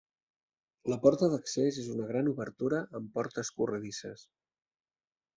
La porta d'accés és una gran obertura amb portes corredisses.